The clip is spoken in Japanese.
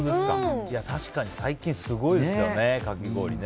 確かに最近すごいですよねかき氷。